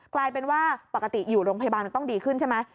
กลายเป็นว่าปกติอยู่โรงพยาบาลมันต้องดีขึ้นใช่ไหม